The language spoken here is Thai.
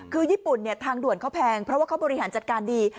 คือญี่ปุ่นทางด่วนเขาแพงเพราะว่าเขาบริหารจัดการดี